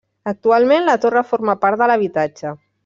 Actualment la torre forma part de l'habitatge.